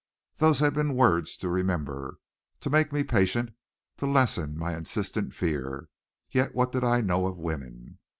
Those had been words to remember, to make me patient, to lessen my insistent fear. Yet, what did I know of women?